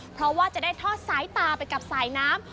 เพราะว่าจะได้ทอดสายตาไปกับสายน้ำ